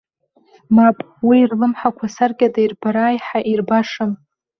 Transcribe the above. Мап, уи рлымҳақәа саркьада ирбара аиҳа ирбашам!